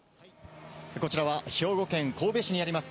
こちらは兵庫県神戸市にあります